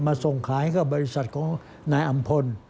ส่งขายให้กับบริษัทของนายอำพล